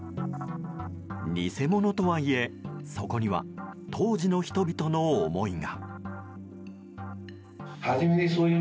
偽物とはいえそこには当時の人々の思いが。